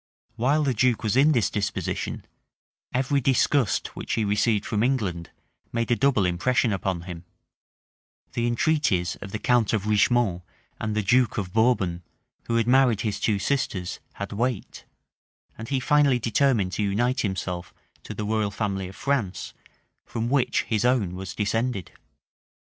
While the duke was in this disposition, every disgust which he received from England made a double impression upon him; the entreaties of the count of Richemont and the duke of Bourbon, who had married his two sisters, had weight; and he finally determined to unite himself to the royal family of France, from which his own was descended.